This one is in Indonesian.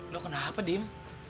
lo kenapa dim